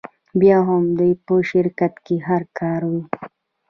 بیا هم دوی په شرکت کې هر کاره وي